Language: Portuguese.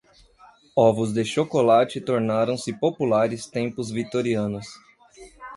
Ovos de chocolate tornaram-se populares tempos vitorianos.